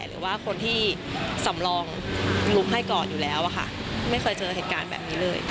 หรือว่าคนที่สำรองลุกให้ก่อนอยู่แล้วอะค่ะไม่เคยเจอเหตุการณ์แบบนี้เลย